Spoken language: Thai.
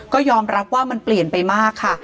ก็ยอมรับว่ามันเปลี่ยนไปมากค่ะ